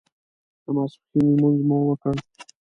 د ماسپښین لمونځ مو وکړ.